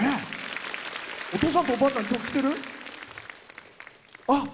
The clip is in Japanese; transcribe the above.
お父さんとおばあちゃん来てる？